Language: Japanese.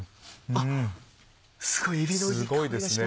あっすごいえびのいい香りがしますね。